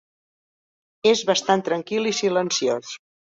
És bastant tranquil i silenciós.